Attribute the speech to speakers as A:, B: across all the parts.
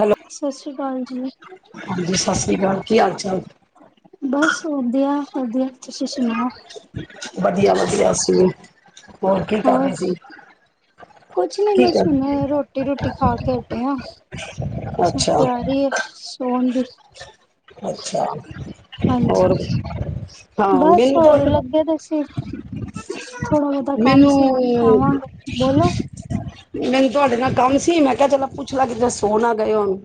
A: Hello
B: ਸਤਿ ਸ੍ਰੀ ਅਕਾਲ ਜੀ
A: ਹਾਂਜੀ ਸਤਿ ਸ੍ਰੀ ਅਕਾਲ ਕੀ ਹਾਲ ਚਾਲ
B: ਬਸ ਵਧੀਆ ਹ
A: ਵਧੀਆ ਲੱਗਿਆ ਸੀ ਹੋਰ ਕੀ ਕਰ ਸੀ
B: ਕੁਛ ਨੀ ਮੈਂ
A: ਠੀਕ ਹੈ
B: ਸੁਣ ਰੋਟੀ ਰੋਟੀ ਖਾ ਕੇਟੇ ਹ ਬਣ
A: ਅੱਛਾ
B: ਤਿਆ ਹੈ। ਤੋਨ
A: ਅੱਛਾ ਹੋਰ ਹਾਂ
B: ਬਸ
A: ਮੈਨੂੰ
B: ਹੋਰ
A: ਤੁਹਾਡੇ
B: ਲੱਗੇਿਆ ਦਸੀ
A: ਮੈਨੂੰ
B: ਸੀ ਨਿਪਟਾਵਾਂਗੇ ਬੋਲੋ
A: ਮੈਨੂੰ ਤੁਹਾਡੇ ਨਾਲ ਕੰਮ ਤੁ ਮੈਂ ਕਿਹਾ ਚਲੋ ਪੁੱਛ ਲ ਕਿਤੇੇ ਸੋਨਾ ਗਏ ਹੋਨੂੰ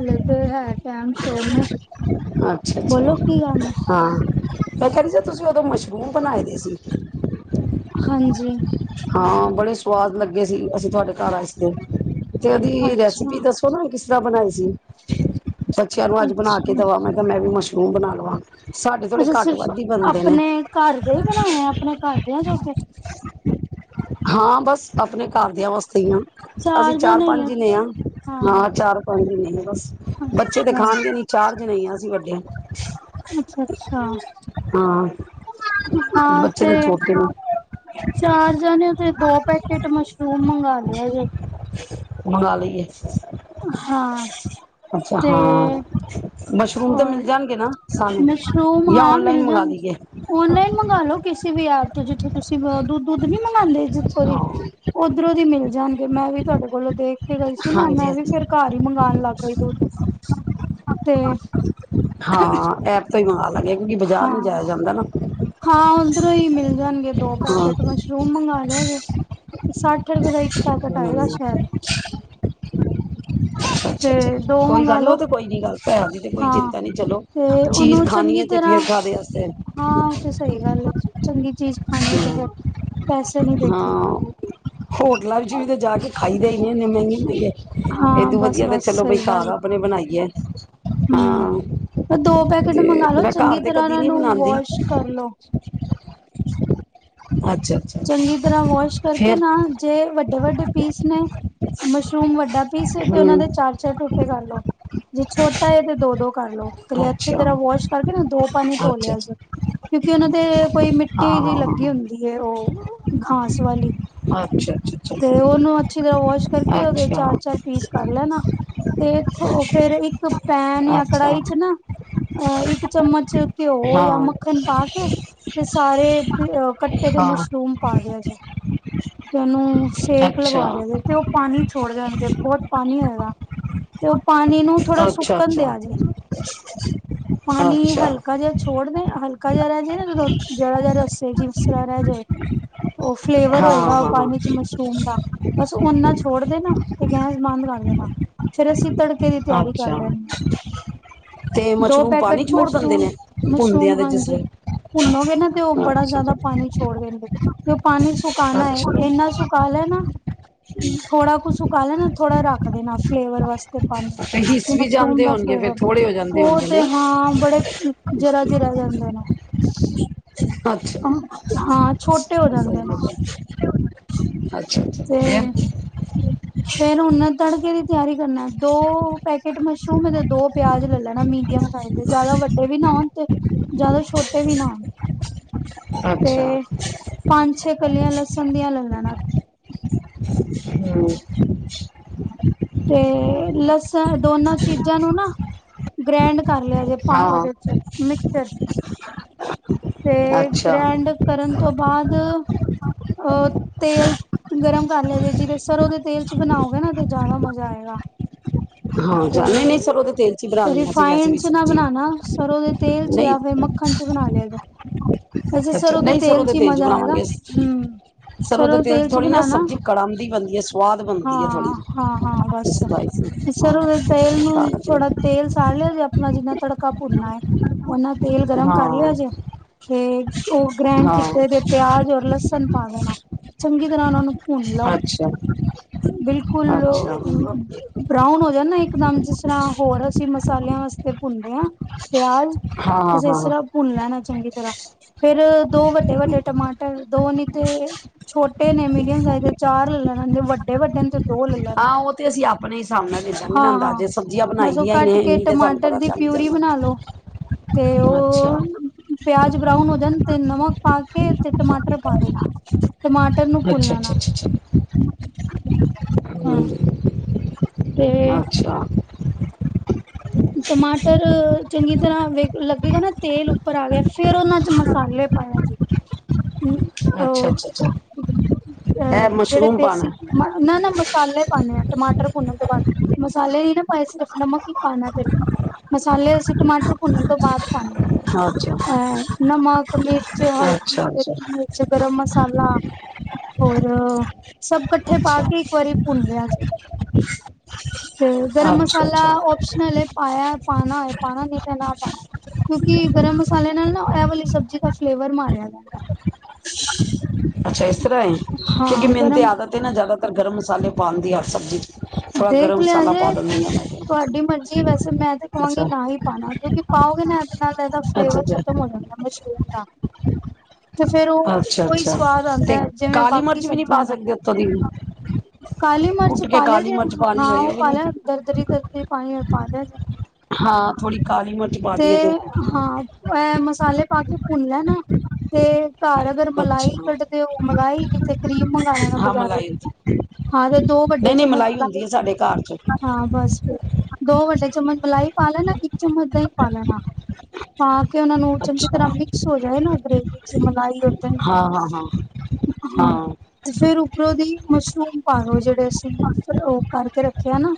B: ਅਲੱਗ ਹੈ ਟਾਈਮ ਸਟੋਰ
A: ਅੱਛਾ ਅੱਛਾ ਹਾਂ ਮੈਂ ਕਿਹਾ ਡ ਜ ਤੁਸੀਂ ਉਦੋਂ ਮਸ਼ਰੂਮ ਬਣਾਏ ਦੇ ਸੀ
B: ਹਾਂਜੀ
A: ਹਾਂ ਬੜੇ ਸੁਵਾਦ ਲੱਗੇ ਸੀ ਅਸੀਂ ਤੁਹਾਡੇ ਘਰ ਆਏ ਇਸ ਦਿਨ ਤੇ ਉਹਦੀ ਰੈਸਪੀ
B: ਅੱਛਾ
A: ਦੱਸੋ ਨਾ ਕਿਸ ਤਰ੍ਹਾਂ ਬਣਾਈ ਸੀ ਬੱਚਿਆਂ ਨੂੰ ਅੱਜ ਬਣਾ ਕੇ
B: ਅੱਛਾ
A: ਦਵਾਵਾਂਗਾ ਮੈਂ ਵੀ ਮੁਸ਼ਕਿਲ ਤੂੰ ਬਣਾ ਲਵਾਾਂ
B: ਅੱਛਾ ਸਿਰਫ ਆਪਣੇ ਘਰ ਦੇ ਹੀ ਬਣਾਏ ਆ ਆਪਣੇ ਘਰਦ ਆ ਜੋਗੇ
A: ਹਾਂ ਬਸ ਆਪਣੇ ਘਰਦਿਆਂ ਵਾਸਤੇ ਹੀ ਨਾ, ਅਸੀਂ ਚਾਰ
B: ਜਣੇ ਈ
A: ਪੰਜ
B: ਆ
A: ਜਨੇ ਆਂ,
B: ਤੁਸੀਂ ਹਾਂ
A: ਨਾ ਚਾਰ ਪੰਜ ਨੇ ਬਸ ਬੱਚੇ ਤੇ
B: ਅੱਛਾ
A: ਖਾਣਗੇ ਨੀ ਚਾਰ ਜਣੇ ਆ ਅਸੀਂ ਵੱਡੇ।
B: ਅੱਛਾ-ਅੱਛਾ
A: ਹਾਂ
B: ਹਾਂ-
A: ਬੱਚੇ ਨੇ
B: ਤੇ
A: ਛੋਟੇ ਨੇ
B: ਚਾਰ ਜਾਣੇ ਤੇ, ਦੋ ਪੈਕੇਟ ਮਸ਼ਰੂਮ ਮੰਗਾ ਲਿਆ ਆ ਜੇ।
A: ਮੰਗਾ ਲਈਏ।
B: ਹਾਂ
A: ਅੱਛਾ
B: ਤੇ
A: -ਹਾਂ ਮਸ਼ਰੂਮ ਤੇ
B: ਹੋਰ
A: ਮਿਲ ਜਾਣਗੇ ਨਾ ਸਾਨੂੰ।
B: ਮਸ਼ਰੂਮ
A: ਜਾਂ ਓਨਲਾਈਨ ਮੰਗਾ ਲੀਏ।
B: ਮੰਗਾ ਲੋ ਕਿਸੇ ਵੀ ਐਪ ਤੋਂ, ਜਿੱਥੇ ਤੁਸੀਂ ਦੁੱ ਦੁੱਧ ਨੀ ਮੰਗਾਂਦੇ। ਸੌਰੀ
A: ਹਾਂ
B: ਉੱਧਰੋਂ ਦੀ ਮਿਲ- ਜਾਣ ਕੇ ਮੈਂ ਵੀ ਤੁਹਾਡੇ ਕੋਲੋਂ ਦੇਖ- ਪੇਕੇ ਗਈ ਸੀ
A: ਹਾਂਜੀ
B: ਮੈਂ ਵੀ ਫੇਰ ਘਰ ਈ ਮੰਗਾਣ ਲੱਗ ਗਈ ਦੁੱਧ। ਤੇ
A: ਹਾਂ ਐਪ ਤੋਂ ਈ ਮੰਗਾ ਲਾਂਗੇ। ਕਿਉਂਕਿ ਬਾਜ਼ਾਰ ਨਹੀਂ ਜਾਇਆ ਜਾਂਦਾ ਨਾ
B: ਹਾਂ- ਹਾਂ ਓਂਦਰੋ ਈ ਮਿਲ ਜਾਣਗੇ। ਦੋ
A: ਹਾਂ
B: ਪੈਕੇਟ ਮਸ਼ਰੂਮ ਮੰਗਾ ਲਿਆ ਜੇ। ਸਾਠ ਰੁਪਏ ਦਾ ਇਕ ਪੈਕਟ
A: ਹਮ
B: ਆਏਗਾ ਸ਼ੈਦ। ਤੇ ਦੋ
A: ਕੋਈ
B: ਮੰਗਾ
A: ਗੱਲ ਨੀ ਉਹ
B: ਲੋੋ।
A: ਤੇ ਕੋਈ ਨੀ ਗੱਲ ਪੈਸੇ ਦੀ ਤੇ ਕੋਈ
B: ਹਾਂ
A: ਚਿੰਤਾ ਨੀ ਚਲੋ
B: ਤੇ
A: ਚੀਜ਼
B: ਉਹਨੂੰ
A: ਖਾਣੀ
B: ਚੰਗੀ
A: ਹੈ ਤੇ
B: ਤਰ੍ਹਾਂ,
A: ਫੇਰ ਖਾਦੇ ਵਾਸਤੇ
B: ਹਾਂ ਤੇ ਸਹੀ ਗੱਲ ਏ। ਚੰਗੀ ਚੀਜ਼ ਖਾਣੀ ਤੇ ਫੇਰ- ਪੈਸੇ ਨੀ ਦੇਖੀ ਦਾ।
A: ਹਾਂ ਹੋਟਲਾਂ ਵਿੱਚ ਵੀ ਤੇ ਜਾ ਕੇ ਖਾਈ ਦੇ ਈ ਨਹੀਂ ਇਨੇ ਮਹਿੰਗੇ-
B: ਹਾਂ
A: ਏਦੋ
B: ਬਸ
A: ਵਧੀਆ ਤਾਂ ਚਲੋ ਬਈ ਘਾਰ ਆਪਣੇ ਬਣਾਈ। ਯੈੱਸ
B: ਹੂੰ-ਦੋ ਪੈਕੇਟ
A: ਤੇ
B: ਮੰਗਾਲੋ
A: ਮੈਂ ਘਰ
B: ਚੰਗੀ
A: ਤੇ
B: ਤਰ੍ਹਾਂ
A: ਕਦੀ
B: ਇਹਨਾਂ
A: ਨੀ
B: ਨੂੰ
A: ਬਣਾਉਂਦੀ
B: ਵਾਸ਼ ਕਰਲੋ। [unintelligible]
A: ਅੱਛ
B: ਚੰਗੀ ਤਰ੍ਹਾਂ ਵਾਸ਼ ਕਰਕੇ ਨਾ ਜੇ ਵੱਡੇ ਵੱਡੇ ਪੀਸ ਨੇ। ਮਸ਼ਰੂਮ ਵੱਡਾ ਪੀਸ ਏ ਤੇ ਉਹਨਾਂ
A: ਹਮ
B: ਦੇ ਚਾਰ ਚਾਰ ਟੋਟੇ ਕਰ ਲੋ। ਜੇ ਛੋਟਾ ਹੈ ਤੇ, ਦੋ ਦੋ। ਕਰ ਲੋ ਇਕਲੇ ਅੱਛੀ
A: ਅੱਛਾ
B: ਤਰ੍ਹਾਂ ਵਾਸ਼ ਕਰਕੇ ਨਾ ਦੋ ਪਾਣੀ ਧੋ
A: ਅੱਛਾ ਅੱਛਾ
B: ਲਿਆ ਜਿਆ। ਕਿਉਂਕਿ ਉਨਾਂ ਦੇ ਕੋਈ ਮਿੱਟੀ ਜੀ
A: ਹਾਂ
B: ਲੱਗੀ ਹੁੰਦੀ ਏ। ਉਹ- ਘਾਸ ਵਾਲੀ-
A: ਅੱਛਾ
B: ਤੇ ਉਹਨੂੰ ਅੱਛੀ ਤਰ੍ਹਾਂ ਵਾਸ਼ ਕਰਕੇ ਉਹਦੇ
A: ਅੱਛਾ ਅੱਛਾ
B: ਚਾਰ ਚਾਰ ਪੀਸ ਕਰ ਲੈਣਾ ਤੇ ਫੇਰ ਇੱਕ ਪੈਨ-
A: ਅੱਛਾ ਅੱਛਾ
B: ਕੜਾਈ ਚ ਨਾ ਇੱਕ ਚਮਚ [unintelligible] ਘਿਓ
A: ਹਾਂ
B: ਜਾਂ ਮੱਖਣ ਪਾ ਕੇ ਸਾਰੇ ਕੱਟੇ ਦੇ
A: ਹਾਂ
B: ਮਛ ਪਾ ਦਿਆ ਜੇ ਜਾਨੂੰ ਸ਼ੇਕ
A: ਅੱਛਾ
B: ਲਗਾਵਾਹ ਦਿਆ ਜੇ ਤੇ ਉਹ ਪਾਣੀ ਛੋੜ ਜਾਣ ਬਹੁਤ ਪਾਣੀ ਹੈਗਾ ਤੇ ਉਹ ਪਾਣੀ ਨੂੰ ਥੋੜ੍ਹਾ
A: ਅੱਛਾ
B: ਸੁੱਕਣ
A: ਅੱਛਾ
B: ਦਿਆ ਜੇ, ਪਾਣੀ
A: ਅੱਛਾ
B: ਹਲਕਾ ਜਿਹਾ ਛੋੜ ਦੇ ਹਲਕਾ ਜਿਹਾ ਰਿਹ ਜੇ ਨਾ ਜਦੋ ਜਰਾ ਰੱਸ ਜਿਪਸਾ ਰਿਹ ਜੇ ਉਹ ਫਲੇਵਰ
A: ਹਾਂ
B: ਹੋਏਗਾ, ਉਹ
A: ਹਾਂ
B: ਪਾਣੀ ਚ ਮਸ਼ਰੂਮ ਦਾ ਬਸ ਓਨਾ ਛੋੜ ਦੇਨਾ ਤੇ ਗੈਸ ਬੰਦ ਕਰ ਦੇਣਾ ਫਿਰ ਅਸੀਂ ਤੜਕੇ ਦੀ
A: ਹਾਂ
B: ਤਿਆਰੀ ਕਰ
A: ਅੱਛਾ
B: ਲੈਣੀ
A: ਤੇ
B: ਦੋ
A: ਮਸ਼ਰੂਮ
B: ਪੈਕੇਟ
A: ਪਾਣੀ ਛੋੜ ਦਿੰਦੇ
B: ਮਸ਼ਰੂਮ
A: ਨੇ ਭੁੰਦਿਆਂ
B: ਮਸ਼ਰੂਮ
A: ਦੇ
B: ਹਾਂਜੀ
A: ਜਿਸਲੇ
B: ਭੁੰਨੋਗੇ ਨਾ ਤੇ ਉਹ ਬੜਾ ਜਿਆਦਾ ਪਾਣੀ ਛੋੜ ਦਿੰਦੇ। [unintelligible] ਪਾਣੀ ਸੁਕਾਣਾ ਹੈ
A: ਅੱਛਾ
B: ਇੰਨਾ ਸੁਕਾ ਲੈ ਨਾ ਥੋੜਾ ਕੁ ਸੁਕਾਲੈਣਾ ਥੋੜਾ ਰੱਖ ਦੇਣਾ ਫਲੇਵਰ ਵਾਸਤੇ ਪਾਣੀ
A: ਹਿੱਸ
B: ਤੇ
A: ਵੀ
B: ਮਸ਼ਰੂਮ
A: ਜਾਂਦੇ
B: ਦਾ
A: ਹੋਣਗੇ ਫੇਰ
B: ਫਲੇਵਰ
A: ਥੋੜੇ ਹੋ ਜਾਂਦੇ
B: ਉਹ
A: ਹੋਣਗੇ
B: ਤੇ
A: ਨਹੀਂ
B: ਹਾਂ ਬੜੇ ਜਰਾ ਜਰਾ ਜਾਂਦਾ ਨੇ [inaudible]
A: ਅੱਛਾ
B: ਹਾਂ ਛੋਟੇ ਹੋ ਜਾਂਦੇ ਨੇ
A: [inaudible] ਅਛਾ
B: ਤੇ
A: ਫੇਰ
B: ਫੇਰ ਉਹਨਾਂ ਦੇ ਤੜਕੇ ਦੀ ਤਿਆਰੀ ਕਰਨਾ ਦੋ ਪੈਕਟ ਮਸ਼ਰੂਮ ਅਤੇ ਦੋ ਪਿਆਜ ਲੈ ਲੈਣਾ ਮੀਡੀਅਮ ਸਾਇਜ ਦੇ ਜਿਆਦਾ ਵੱਡੇ ਵੀ ਨਾ ਤੇ ਜਿਆਦਾ ਛੋਟੇ ਵੀ ਨਾ ਹੋਣ
A: ਅੱਛਾ
B: ਤੇ ਪੰਜ ਤੇ ਕਲੀਆਂ ਲੱਸਣ ਦੀਆ ਲੇ ਲੈਣਾ
A: ਹੂੰ
B: ਤੇ ਲੱਸਣ ਦੋਨਾਂ ਚੀਜ਼ਾਂ ਨੂੰ ਨਾ ਗ੍ਰੈਂਡ ਕਰ ਲਿਆ ਜੇ
A: ਹਾਂ
B: ਉਹਦੇ ਚ ਮਿਕਚਰ ਤੇ
A: ਅੱਛਾ
B: ਗ੍ਰੈਂਡ ਕਰਨ ਤੋਂ ਬਾਅਦ ਅਹ ਤੇਲ ਗਰਮ ਕਰ ਲ ਜੇ ਜਿਹਦੇ ਸਰੋਂ ਦੇ ਤੇਲ ਚ ਬਣਾਓਗੇ ਨਾ ਤੇ ਜ਼ਿਆਦਾ ਮਜ਼ਾ ਆਏਗਾ
A: ਹਾਂ ਜਾ ਨਹੀਂ ਨਹੀਂ ਸਰੋਂ ਦੇ ਤੇਲ ਚ ਹੀ
B: ਤੇ
A: ਬਣਾਉਂਦੇ ਹਾਂ ਅਸੀਂ ਵੈਸੇ ਵੀ
B: ਰਿੀਫਾਈੰਡ ਚ ਨਾ
A: ਸਬਜ਼ੀ
B: ਬਣਾਣਾ ਸਰ੍ਹੋਂ ਦੇ ਤੇਲ ਚ
A: ਨਹੀਂ
B: ਜਾਂ ਫਿਰ ਮੱਖਣ ਚ ਬਣਾ ਲਿਆ [unintelligible] ਹ [unintelligible]
A: ਅੱਛਾ ਨਹੀਂ
B: ਆਏਗਾ ਹੂੰ। ਸਰੋਂ ਦੇ ਤੇਲ ਚ ਬਣਾਣਾ
A: ਸਵਾਦ ਬਣਦੀ ਹੈ ਥੋੜ੍ਹੀ
B: ਹਾਂ ਹਾਂ ਹਾਂ ਬਸ
A: ਸਤਾਈ ਸੀ ਹਾਂ
B: ਸਰ ਉਹਦੇ ਤੇਲ ਨੂੰ
A: ਸਤਾਰਾਂ ਸੌ
B: ਥੋੜਾ ਤੇਲ ਸਾੜ ਲਿਆ ਜੇ ਆਪਣਾ ਜਿੰਨਾ ਤੜਕਾ ਉਹਨਾਂ ਤੇਲ ਗਰਮ ਕਰ ਲਿਆ
A: ਹਾਂ
B: ਜੇ ਤੇ ਉਹ ਗ੍ਰੈਂਡ ਕੀਤੇ ਦੇ
A: ਹਾਂ
B: ਪਿਆਜ ਔਰ ਲਸਣ ਪਾ ਦੇਣਾ ਚੰਗੀ ਤਰ੍ਹਾਂ ਉਹਨਾਂ ਨੂੰ ਭੁੰਨ ਲਓ
A: ਅੱਛਾ
B: ਬਿਲਕੁਲ
A: ਅੱਛਾ ਹਾਂ ਹਾਂ
B: ਤਰ੍ਹਾਂ ਭੁੰਨ ਲੈਣਾ ਚੰਗੀ ਤਰ੍ਹਾਂ ਫੇਰ ਦੋ ਵੱਡੇ ਵੱਡੇ ਟਮਾਟਰ ਦੋ ਨੀ ਤੇ ਛੋਟੇ ਨੇ ਮੀਡੀਅਮ ਸਾਈਜ਼ ਦੇ ਚਾਰ ਲੈ ਲੈਣਾ ਵੱ
A: ਹਾਂ ਉਹ ਤੇ ਅਸੀਂ ਆਪਣੇ ਹਿਸਾਬ ਨਾਲ ਦੇਦਾਂਗੇ ਨਾ
B: ਹਾਂ ਹਾਂ
A: ਅਦਾਜੇ ਸਬਜ਼ੀਆਂ ਬਣਾਈ
B: ਬਸ ਉਹ
A: ਦੀਆਂ ਹੀ
B: ਕੱਟ
A: ਨੇ
B: ਕੇ
A: ਇੰਨੀ ਤੇ ਸਾਨੂੰ
B: ਟਮਾਟਰ
A: ਪਤਾ
B: ਦੀ
A: ਚੱਲ
B: ਪਿਊਰੀ ਬਣਾ
A: ਜਾਂਦਾ
B: ਲੋ
A: ਅੱਛਾ
B: ਉਹ ਪਿਆਜ ਬਰਾਊਨ ਹੋ ਜਾਣ ਤੇ ਨਮਕ ਪਾ ਕੇ ਤੇ ਟਮਾਟਰ ਪਾ ਦੇਣਾ ਟਮਾਟਰ ਨੂੰ ਭੁੱਨ
A: ਅੱਛਾ
B: ਲੈਣਾ
A: ਅੱਛਾ ਅੱਛਾ ਅੱਛਾ
B: ਹਾਂ
A: ਹਮ
B: ਤੇ
A: ਅੱਛਾ
B: ਟਮਾਟਰ ਚੰਗੀ ਤਰ੍ਹਾਂ ਵੇ ਲੱਗੇਗਾ ਨਾ ਤੇਲ ਉੱਪਰ ਆ ਗਿਆ ਫੇਰ ਉਹਨਾਂ ਚ ਮਸਾਲੇ ਪਾਇਆ ਜੇ ਹਮ
A: ਅੱਛਾ
B: ਉਹ
A: ਅੱਛਾ ਅੱਛਾ
B: ਅ
A: ਇਹ
B: ਜਿਹੜੇ
A: ਮਸ਼ਰੂਮ ਪਾਣਾ
B: ਬੇਸੀ ਨਾ ਨਾ ਮਸਾਲੇ ਪਾਨੇ ਹ ਟਮਾਟਰ ਭੁੰਨ ਤੋਂ ਬਾਅਦ ਮਸਾਲੇ ਦੀ ਨਾ ਪੈਸ ਰੱਖਨਾਮਾਂ ਕਿ ਪਾ [unintelligible] [unintelligible] ਮਸਾਲੇ ਅਸੀਂ ਟਮਾਟਰ ਭੁੰਨਣ ਤੋਂ ਬਾਅਦ ਪਾਣੇ
A: ਅੱਛਾ
B: ਅਹ ਨਮਕ ਮਿਰਚ
A: ਅੱਛਾ
B: ਹਲਦੀ
A: ਅੱਛਾ
B: ਗਦੀ ਮਿਰਚ ਗਰਮ ਮਸਾਲਾ ਹੋਰ ਸਭ ਕੱਠੇ ਪਾ
A: ਅੱਛਾ
B: ਕੇ ਇੱਕ ਵਾਰੀ ਭੁੰਨ ਲਿਆ ਜੇ ਤੇ ਗਰਮ
A: ਅੱਛਾ
B: ਮਸਲਾ
A: ਅੱਛਾ
B: ਓਪਸ਼ਨਲ ਏ ਆਇਆ ਪਾਣਾ ਹੈ ਪਾਣਾ ਨਹੀਂ ਤੇ ਨਾ ਪਾਉਣਾ ਕਿਉਂਕਿ ਗਰਮ ਮਸਾਲੇ ਨਾਲ ਨਾ ਐਹ ਵਾਲੀ ਸਬਜ਼ੀ ਦਾ ਫਲੇਵਰ ਮਾਰਿਆ ਜਾਂਦਾ ਹੈ
A: ਅੱਛਾ ਇਸ ਤਰ੍ਹਾਂ ਏ ਕਿਉਂਕਿ ਮੇਨ ਤੇ ਆਦਤ ਹੈ ਨਾ ਜ਼ਿਆਦਾ ਤਰ ਗਰਮ ਮਸਾਲੇ ਪਾਂਦੀ ਹਰ ਸਬਜ਼ੀ ਚ ਤਾਂ ਗਰਮ
B: ਦੇਖ ਲਿਆ
A: ਮਸਾਲਾ ਪਾ
B: ਜੇ
A: ਦਿੰਨੀ ਹਾਂ
B: ਤੁਹਾਡੀ
A: ਮੈਂ
B: ਮਰਜ਼ੀ ਵੈਸੇ ਮੈਂ [inaudible] ਪਾਓ ਗੇ
A: ਅੱਛਾ
B: ਨਾ। ਨਾਲ ਇਹਦਾ
A: ਅੱਛਾ
B: ਫਲੇਵਰ
A: ਅੱਛਾ
B: ਖਤਮ ਹੋ ਜਾਂਦਾ ਮਸ਼ਰੂਮ ਨਾਲ
A: ਅੱਛਾ,
B: ਉਹੀ
A: ਅੱਛਾ
B: ਸਵਾਦ
A: ਤੇ
B: ਆਂਦਾ ਜਿਵੇਂ
A: ਕਾਲੀ
B: ਬਾਕੀ
A: ਮਿਰਚ ਵੀ ਨਈ ਪਾ
B: ਸਬਜ਼ੀਆਂ ਦਾ।
A: ਸਕਦੇ ਉੱਤੋ ਦੀ?
B: ਕਾਲੀ ਮਿਰਚ
A: ਕੁੱਟ ਕੇ
B: ਪਾ ਲਿਆ
A: ਕਾਲੀ
B: ਜੇ।
A: ਮਿਰਚ ਪਾਉਣੀ
B: ਹਾਂ
A: ਹੋਏ
B: ਉਹ
A: ਵੀ
B: ਪਾ ਲਿਆ
A: ਨਹੀਂ
B: ਦਰਦਰੀ ਦਰਦਰੀ। ਪਾਈ ਪਾਦੇਓ ਜੇ।
A: ਹਾਂ ਥੋੜ੍ਹੀ ਕਾਲੀ ਮਿਰਚ ਪਾ
B: ਤੇ
A: ਦਈਏ
B: ਹਾਂ ਅ ਮਸਾਲੇ ਪਾ ਕੇ ਭੁੰਨ ਲੈਣਾ ਤੇੲ ਘਰ ਅਗਰ ਮਲਾਈ
A: ਅੱਛਾ
B: ਕੱਢਦੇ ਹੋ। ਮਲਾਈ ਓਥੇ ਕਰੀਮ ਮੰਗਵਾਣਾ
A: ਹਾਂ
B: ਬਾਜ਼ਾਰਾਂ
A: ਮਲਾਈ
B: ਦੀ।
A: ਹੁੰਦੀ
B: ਹਾਂ ਤੇ ਦੋ ਵੱਡੇ
A: ਨਹੀਂ ਨਹੀਂ
B: ਚਮਚ ਮਲਾਈ
A: ਹੁੰਦੀ ਹੈ ਸਾਡੇ ਘਰ 'ਚ
B: ਹਾਂ, ਬਸ ਫਰ ਦੋ ਵੱਡੇ ਚਮਚ ਮਲਾਈ ਪਾ ਲੈਣਾ ਇੱਕ। ਚਮਚ ਦਈ ਪਾ ਲੈਣਾ। ਕਿ ਉਹ ਨਾ ਨੂੰ ਚੰਗੀ
A: ਅੱਛਾ
B: ਤਰ੍ਹਾਂ ਮਿਕਸ ਹੋ ਜਾਏ ਨਾ ਗਰੇਵੀ। ਫਿਰ ਮਲਾਈ ਹਾ
A: ਹਾਂ ਹਾਂ ਹਾਂ ਹਾਂ
B: ਤੇ ਫੇਰ ਉਪਰੋਂ ਦੀ ਮਛਰੂਮ ਆਹੋ, ਜਿਹੜੇ ਅਸੀਂ ਫਿਰ ਉਹ ਕਰਕੇ [inaudible] ਅ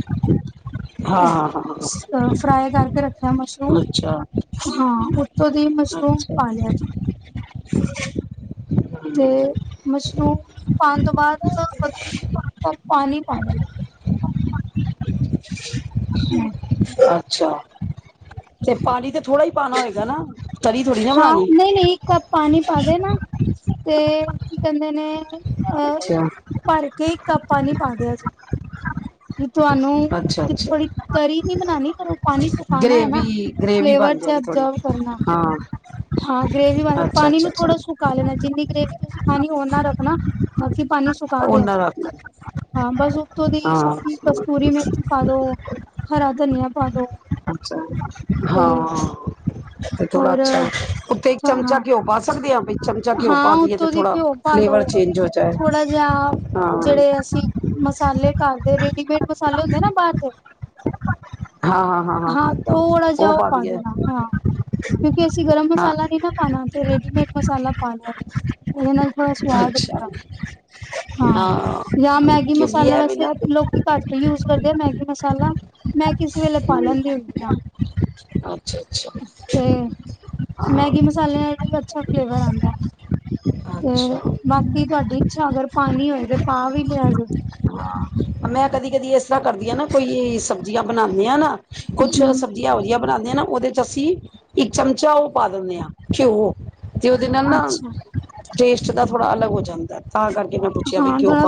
A: ਹਾਂ ਹਾਂ ਹਾਂ
B: ਅ ਫਰਾਏ ਕਰਕੇ ਰੱਖਿਆ ਬਸ।
A: ਹਾਂ ਅੱਛਾ
B: ਰ ਹਾਂ ਉਤੋਂ ਦੀ ਮਸ਼ਰੂਮ
A: ਅੱਛਾ
B: ਪਾ ਲਿਆ ਜੇ। ਤੇ
A: ਹਮ
B: ਮਸਰੂਮ ਪਾਉਣ ਤੋਂ ਬਾਅਦ ਇੱਕ ਕੱਪ ਪਾਨੀ ਪਾ ਦੇਣਾ। ਹੂੰ
A: ਅੱਛਾ! ਤੇ ਪਾਣੀ ਤੇ ਥੋੜ੍ਹਾ ਈ ਪਾਣਾ ਹੋਏਗਾ ਨਾ? ਤਰੀ ਥੋੜੀ ਨਾ
B: ਹਾਂ
A: ਬਣਾਣੀ
B: ਨਹੀਂ, ਨਹੀਂ ਇੱਕ ਕੱਪ ਪਾਨੀ ਪਾ ਦੇਨਾ। ਤੇ ਕੀ ਕਹਿੰਦੇ ਨੇ? ਅ
A: ਅੱਛਾ
B: ਭਰ ਕੇ ਕੱਪ ਪਾਨੀ ਪਾ ਦੇਓ ਜੇ। ਤੁਹਾਨੂੰ
A: ਅੱਛਾ ਅੱਛਾ
B: ਥੋੜੀ ਤਰੀ ਨੀ ਬਣਾਣੀ ਪਰ, ਉਹ ਪਾਣੀ ਸੁਕਾਨਾ ਹੈ ਨਾ
A: ਗ੍ਰੇਵੀ ਗ੍ਰੇਵੀ
B: ਫਲੇਵਰ
A: ਬਣ
B: ਚ
A: ਜਾਏਗੀ ਥੋੜੀ
B: ਅਗਜਰਵ ਕਰਨਾ।
A: ਹਾਂ
B: ਹਾਂ ਗ੍ਰੇਵੀ ਵਾਲੇ
A: ਅੱਛਾ
B: ਪਾਣੀ ਨੂੰ
A: ਅੱਛਾ ਅੱਛਾ
B: ਥੋੜਾ ਸੁਕਾ ਲੈਣਾ ਕਿੰਨੀ ਕੇ। ਤੁਸੀਂ ਖਾਣੀ ਓਨਾ ਰੱਖਣਾ, ਬਾਕਿ ਪਾਣੀ ਸੁ ਪਾ ਦਿਆ
A: ਉਹਨਾਂ
B: ਜੇ,
A: ਰੱਖ
B: ਹਾਂ ਬਸ ਉਤੋਂ ਦੀ
A: ਹਾਂ
B: ਸੁੱਕੀ ਕਸਤੂਰੀ ਮੇਥੀ ਪਾ ਦੋ ਹਰਾ ਧਨੀਆ ਪਾ ਦੋ।
A: ਅੱਛਾ
B: ਤੇ
A: ਹਾਂ, ਤੇ ਚਲੋ
B: ਹੋਰ
A: ਅੱਛਾ ਏ। ਉੱਤੇ ਇੱਕ
B: ਹਾਂ
A: ਚਮਚਾ ਘਿਓ ਪਾ ਸਕ ਸਕਦੇ ਆਂ ਬਈ।
B: ਹਾਂ, ਉੱਤੋਂ ਦੀ ਘਿਓ ਪਾ ਦੋ
A: ਚੇਂਜ ਹੋ ਜਾਏ
B: ਥੋੜਾ ਜਾ
A: ਹਾਂ
B: ਜੇੜੇ ਅਸੀਂ ਮਸਾਲੇ ਕਰਦੇ ਰੇਡੀਮੇਡ ਸਾਲੇ ਹੁੰਦੇ ਨਾ ਬਾਰ ਦੇ ਹਾਂ ਤੋੜਾ ਜਾ
A: ਉਹ
B: ਔ ਪਾ
A: ਦਈਏ
B: ਦੇਣਾ ਹਾਂ ਕਿਉਂਕਿ ਅਸੀਂ ਗਰਮ
A: ਹਾਂ
B: ਮਸਾਲਾ ਨੀ ਨਾ ਪਾਣਾ, ਤੇ ਰੇਡੀਮੇਡ ਮਸਾਲਾ ਓਦੇ ਨਾਲ ਥੋੜਾ ਸਵਾਦ
A: ਅੱਛਾ
B: ਹੁੰਦਾ। ਹਾਂ, ਯਾ ਮੈਗੀ
A: ਕਿਉਂਕਿ
B: ਮਸਾਲਾ
A: ਇਹ ਵੀ
B: ਵੈਸੇ
A: ਨਾ
B: ਲੋਕੀ ਘੱਟ ਯੂਜ ਕਰਦੇ ਆ ਮੈਗੀ ਮਸ ਮੈਂ ਕਿਸੇ ਵੇਲੇ ਪਾ ਲੈਂਦੀ ਹੁੰਦੀ ਆਂ
A: ਅੱਛਾ ਅੱਛਾ
B: ਤੇ ਮੈਗੀ ਮਸਾਲਿਆਂ ਦਾਵੀ ਅੱਛਾ ਫਲੇਵਰ ਆਂਦੈ। ਤੇ
A: ਅੱਛਾ
B: ਬਾਕੀ ਤੁਹਾਡੀ ਇੱਛਾ ਅਗਰ ਪਾਣੀ ਹੋਏ ਤੇ ਪਾ ਵੀ ਲਿਆ ਜੇ।
A: ਮੈਂ ਕਦੀ ਕਦੀ ਇਸ ਤਰ੍ਹਾਂ ਕਰਦੀ ਆਂ ਨਾ ਕੋਈ ਸਬਜ਼ੀਆਂ ਬਣਾਣ ਦੇ ਆਨਾ ਕੁੱਛ
B: ਹੂੰ
A: ਸਬਜ਼ੀਆਂ ਵਧੀਆ ਬਣਾਂਦੇ ਆਂ ਨਾ। ਔਦੇ ਚ ਅਸੀਂ ਇੱਕ ਚਮਚਾ ਓਹ ਪਾ ਦਿੰਣੇ ਆਂ। ਘਿਓ। ਜੇ ਓਦੇ ਨਾਲ ਨਾ
B: ਅੱਛਾ
A: ਟੇਸਟ ਦਾ ਥੋੜਾ ਅਲੱਗ ਹੋ ਜਾਂਦ
B: ਹਾਂ, ਥੋੜਾ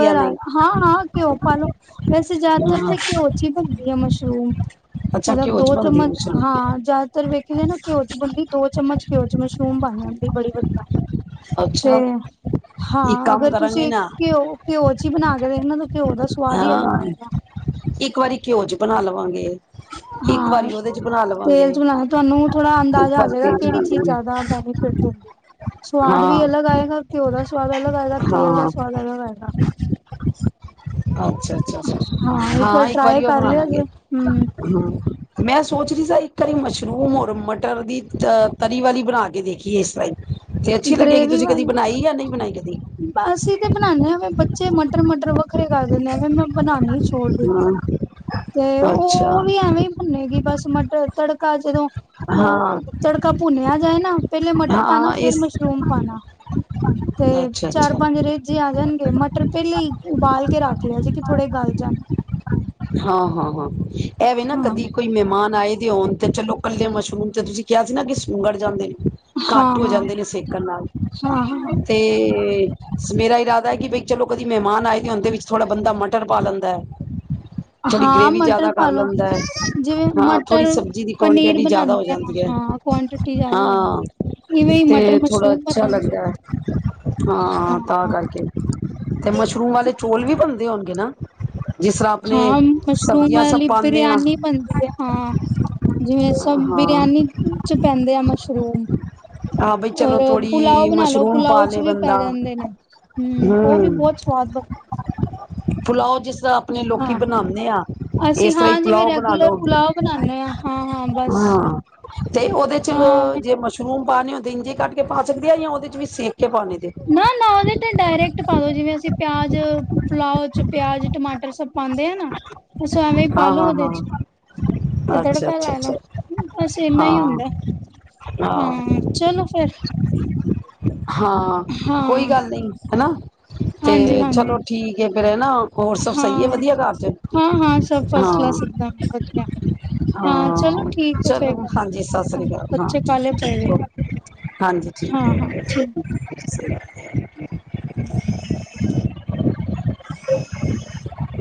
A: ਜਾਂ
B: ਆ
A: ਨਹੀਂ
B: ਹਾਂ ਹਾਂ ਘਿਓਂ ਪਾਲੋ, ਵੈਸੇ ਜੈਦ
A: ਹਾਂ
B: ਤਰਫੇ ਘਿਓ ਚ ਈ ਬਣਦੇ ਐ ਮਸ਼ਰੂਮ।
A: ਅੱਛਾ
B: ਮਤਲਬ
A: ਘਿਓ
B: ਦੋ
A: ਚ ਬਣਦੀ ਆ
B: ਚਮਚ
A: ਮਸ਼ਰੂਮ
B: ਹਾਂ ਜੈਦਾਤਰ ਵੇਖੇਗੇ ਨਾ ਘਿਓ ਚ ਬੰਣਦੀ ਦੋ ਚਮਚ ਘਿਓ ਚ ਮਸ਼ਰੂਮ ਪਾਣਾ। ਹੂੰਦੀ ਬੜੀ ਵਧੀਆ। ਤੇ
A: ਅੱਛਾ ਇੱਕ
B: ਹਾਂ
A: ਕੰਮ
B: ਅਗਰ
A: ਕਰਾਂਗੇ
B: ਤੁਸੀਂ
A: ਨਾ
B: ਘਿਓ ਘਿਓ ਚ ਈ ਬਣਾ ਕੇ ਵੇਖਣਾ, ਤਾਂ ਘਿਓ ਦਾ ਸਵਾਦ ਹੀ ਅਲੱਗ
A: ਹਾਂ
B: ਆਏਗਾ।
A: ਇੱਕ ਵਾਰੀ ਘਿਓ ਚ ਬਣਾ ਲਵਾਂਗੇ ਇੱਕ
B: ਹਾਂ,
A: ਵਾਰੀ ਉਹਦੇ ਚ ਬਣਾ
B: ਤੇਲ
A: ਲਵਾਂਗੇ
B: ਚ ਬਣਾਣਾ ਤੁਵੈਨੂੰ ਥੋੜਾ
A: ਇੱਕ
B: ਅੰਦਾਜ਼ਾ ਆ
A: ਵਾਰੀ
B: ਜੇਗਾ
A: ਤੇਲ ਚ ਬਣਾ
B: ਕੇੜੀ
A: ਲਵਾਂਗੇ
B: ਜੈਦਾ ਪੈਣੀ ਫੇਰ ਤੋਣ ਦੀ ਰ ਸਵਾਦ ਵੀ
A: ਹਾਂ
B: ਅਲੱਗ ਆਏਗਾ ਘਿਓ ਦਾ ਸਵਾਦ ਅਲੱਗ ਆਏਗਾ ਤੇਲ ਦਾ
A: ਹਾਂ
B: ਸਵਾਦ ਅਲੱਗ ਆਏਗਾ।
A: ਅੱਛਾ ਅੱਛਾ ਅੱਛਾ
B: ਹਾਂ, ਇੱਕ ਵਾਰ ਟਰਾਈ
A: ਵਾਰੀ ਉਹ
B: ਕਰ
A: ਬਣਾ
B: ਲਿਆ
A: ਲਾਂਗੇ
B: ਜੇ।
A: ਹੂੰ। ਮੈਂ ਸੋਚ ਰੀ ਸਾ, ਇੱਕ ਵਾਰੀ ਮਸ਼ਰੂਮ ਔਰ ਮਟਰ ਦੀ ਤਅ ਤਰੀ ਵਾਲੀ ਬਣਾ ਕੇ ਦੇਖ ਕੀ ਸ [unintelligible]
B: ਗਰੇਵੀ
A: ਕਦੀ
B: ਵਾਲੀ ਬ ਅਸੀਂ ਤੇ ਬਣਾਨੇ ਆ ਬ ਚੇ ਮਟਰ ਮਟਰ ਵੱਖਰੇ ਕਰ ਦਿੰਦੇ ਆ ਮ ਬਨਾਨੀ ਛੋੜ ਦਿ
A: ਹਾਂ
B: ਤੇ
A: ਅੱਛਾ
B: ਉਹ ਵੀ ਐਵੇਂ ਹੀ ਬਣੇਗੀ ਬਸ ਮਟਰ ਤੜਕਾ ਜਦੋਂ
A: ਹਾਂ
B: ਤੜਕਾ ਭੁੰਨਿਆ ਜਾਏ ਨਾ ਪਹਿਲੇ ਮਟਰ ਪਾਨਾ
A: ਹਾਂ
B: ਫਿਰ
A: ਇਸ
B: ਮਸ਼ਰੂਮ ਪਾਣਾ ਤੇ
A: ਅੱਛਾ
B: ਚਾਰ
A: ਅੱਛਾ
B: ਪੰਜ ਰੇਜੇ ਆ
A: ਐਵੇ ਨਾ
B: ਹਾਂ
A: ਕਦੀ ਕੋਈ ਮਹਿਮਾਨ ਆਏ ਤੇ ਹੋਣ ਤੇ ਚਲੋ ਕੱਲੇ ਮਸ਼ਰੂਮ ਤੇ ਤੁਸੀਂ ਕਿਹਾ ਸੀ
B: ਹਾਂ
A: ਘੱਟ ਹੋ
B: ਹਾਂ
A: ਜਾਂਦੇ ਨੇ ਸੇਕਣ ਨਾਲ
B: ਹਾਂ ਹਾਂ
A: ਤੇ ਮੇਰਾ ਇਰਾਦਾ ਹੈ ਕਿ ਬਈ ਚਲੋ ਕਦੀ ਮਹਿਮਾਨ ਆਏ ਹੁੰਦੇ ਵਿੱਚ ਥੋੜ੍ਹਾ ਬੰਦਾ ਮਟਰ ਪ ਪਾ ਲੈਂਦਾ ਐ
B: ਹਾਂ ਮਟਰ ਪਾ ਲੋੋ
A: ਹੈ
B: ਜਿਵੇਂ
A: ਹਾਂ ਥੋੜ੍ਹੀ
B: ਮਟਰ
A: ਸਬਜ਼ੀ ਦੀ
B: ਪਨੀਰ
A: ਕੁਆਂਟਿਟੀ ਜ਼ਿਆਦਾ ਹੋ
B: ਬਣਾਉਦੇ ਹਾਂ
A: ਜਾਂਦੀ ਹੈ
B: ਹਾਂ ਕੁਆਂਟਿਟੀ ਜ਼ਿਆਦਾ ਰਹਿੰਦੀ
A: ਹਾਂ
B: ਇਵੇਂ ਹੀ ਮਟਰ
A: ਤੇ ਥੋੜ੍ਹਾ
B: ਮਸ਼ਰੂਮ
A: ਅੱਛਾ
B: ਬਣਨਗੇ
A: ਲੱਗਦਾ ਐ ਹਾਂ ਤਾਂ
B: ਹਾਂ-ਹਾਂ,
A: ਕਰਕੇ ਤੇ ਮਸ਼ਰੂਮ ਵਾਲੇ ਚੌਲ ਵੀ ਹੂੰਦੇ ਹੋਣਗੇ ਨਾ ਜਿਸ ਤਰ੍ਹਾਂ ਆਪਣੇ
B: ਹਾਂ ਮਸ਼ਰੂਮ
A: ਸਬਜ਼ੀਆਂ ਸਭ
B: ਵਾਲੀ
A: ਪਾਉਂਦੇ ਹਾਂ
B: ਬੀਰਿਆਨੀ ਜਿਵੇਂ ਸ
A: ਹਾਂ
B: ਬਰਿਆਨੀ ਚ ਪੈਂਦੇ ਆ ਮਸ਼ਰੂਮ
A: ਹਾਂ ਬਈ ਚਲੋ
B: ਔਰ ਪੁਲਾਓ
A: ਥੋੜ੍ਹੀ
B: ਬਣਾ ਲੋ
A: ਮਸ਼ਰੂਮ ਪਾ
B: ਪੁਲਾਓ ਚ
A: ਲਏ
B: ਵੀ
A: ਬੰਦਾ
B: ਪੈ ਜਾਂਦੇ ਨੇ ਹਮ ਉਹ ਵੀ
A: ਹਮ
B: ਬਹੁਤ ਸਵਾਦ ਬਣ
A: ਪੁਲਾਓ ਜਿਸ [inaudible] ਇਸ ਤਰ੍ਹਾਂ [unintelligible] ਆਪਣੇ ਲੋਕੀ ਬਣਾਉਂਦੇ ਆ
B: ਅਸੀਂ
A: ਇਸ ਤਰ੍ਹਾਂ ਹੀ
B: ਹਾਂ ਜਿਵੇਂ
A: ਪਲਾਓ ਬਣਾ
B: ਰੈਗੂਲਰ
A: ਲਓ
B: ਪੁਲਾਓ ਬਣਾਨੇ ਆ ਹਾਂ-ਹਾਂ ਬਸ।
A: ਹਾਂ ਤੇ ਉਹਦੇ ਚ
B: ਹਾਂ,
A: ਜੇ ਮਸ਼ਰੂ ਓਮ ਪਾਣੀ ਹੁੰਦੇ ਇਜੇ ਕ
B: ਨਾ ਨਾ ਉਹਦੇ ਤੇ ਡਾਇਰੈਕਟ ਪਾ ਦੋ ਜਿਵੇਂ ਅਸੀਂ ਪਿਆਜ ਪੁੁਲਾਓ ਚ ਪਿ ਤੁਸੀ ਐਵੇਂ ਹੀ
A: ਹਾਂ
B: ਪਾਲੋ
A: ਹਾਂ
B: ਉਹਦੇ
A: ਹਾਂ
B: ਚ ਤੇ
A: ਅੱਛਾ
B: ਤੜਕਾ
A: ਅੱਛਾ
B: ਲਾ ਲੋ
A: ਅੱਛਾ
B: ਬਸ ਇਨਾ ਹੀ ਹੁੰਦਾ
A: ਹਾਂ
B: ਹੈ ਹਾਂ ਚਲੋ ਫੇਰ
A: ਹਮ [unintelligible] ਹਾਂ ਕੋਈ ਗੱਲ ਨਹੀਂ ਹਨਾ ਤੇ
B: ਹਾਂਜੀ-ਹਾਂਜੀ,
A: ਚਲੋ ਠੀਕ ਏ ਹਨ ਹੋਰ ਸਭ ਸਹੀ ਹੈ
B: ਹਾਂ,
A: ਵਧੀਆ ਕਰ ਚ
B: ਹਾਂ-ਹਾਂ ਸਭ ਫਸਟ
A: ਹਾਂ
B: ਕਲਾਸ ਇੱਕਦਮ ਵਧੀਆ। ਚਲੋ
A: ਹਾਂ
B: ਠੀਕ ਹੈ ਫੇਰ
A: ਚਲੋ
B: ਕਰਦੇ
A: ਹਾਂਜੀ ਸਤਿ ਸ਼੍ਰੀ ਕਾਲ ਹਾਂ
B: ਬੱਚੇ ਕਾਹਲੇ ਪਏ ਹੋਏ ਆ,
A: ਓਕੇ ਹਾਂਜੀ ਠੀਕ
B: ਹਾਂ-ਹਾਂ
A: ਹੈ
B: ਠੀਕ।
A: [unintelligible] [unintelligible] ਅਤੇ